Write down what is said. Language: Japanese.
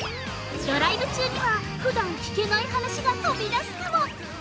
ドライブ中にはふだん聞けない話が飛び出すかも。